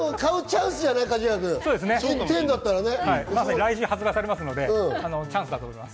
来週発売されますので、チャンスだと思います。